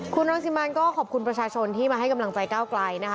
คุณรังสิมันก็ขอบคุณประชาชนที่มาให้กำลังใจก้าวไกลนะคะ